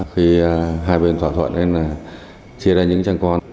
khi hai bên thỏa thuận chia ra những trang con